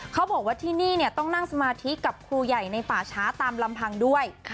เขาบอกว่าที่นี่ต้องนั่งสมาธิกับครูใหญ่ในป่าช้าตามลำพังด้วย